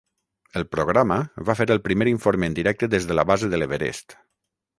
El programa va fer el primer informe en directe des de la base de l'Everest.